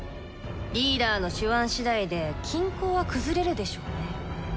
リーダーの手腕次第で均衡は崩れるでしょうね。